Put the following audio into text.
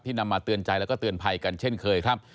นำมาเตือนใจแล้วก็เตือนภัยกันเช่นเคยครับ